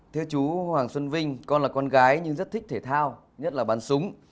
thưa chú hoàng xuân vinh con là con gái nhưng rất thích thể thao nhất là bắn súng